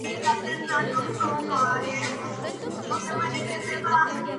La banda escribió la canción con Toby Gad y Wayne Hector.